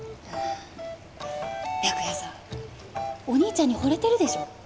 お兄ちゃんにほれてるでしょ？